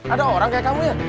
ada orang kayak kamu ya